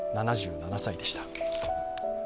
７７歳でした。